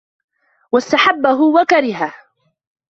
وَاسْتَحَبَّهُ وَكَرِهَهُ